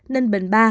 ninh bình ba